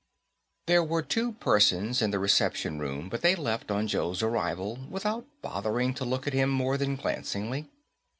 There were two persons in the reception room but they left on Joe's arrival, without bothering to look at him more than glancingly.